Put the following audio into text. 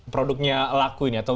produknya lakuin atau